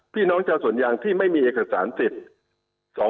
พี่น้องชาวสวนยางที่ไม่มีเอกสารสิทธิ์